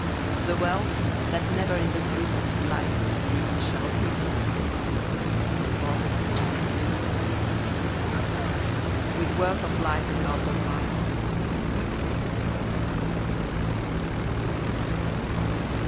The wealth that never in the grip Of blighting greed shall heedless slip— When bought and sold is liberty: With worth of life and love gone by, What makes the world?